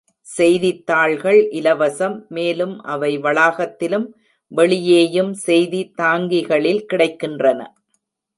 செய்தித்தாள்கள் இலவசம், மேலும் அவை வளாகத்திலும் வெளியேயும் செய்தி-தாங்கிகளில் கிடைக்கின்றன.